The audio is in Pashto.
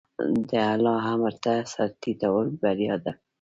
د الله امر ته سر ټیټول بریا ده.